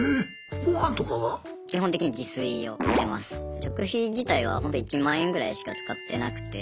食費自体はホント１万円ぐらいしか使ってなくて。